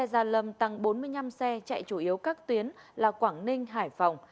tăng bốn mươi năm xe chạy chủ yếu các tuyến là quảng ninh hải phòng